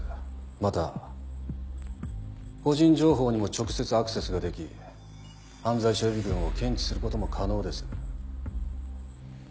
また個人情報にも直接アクセスができ犯罪者予備軍を検知することも可能です。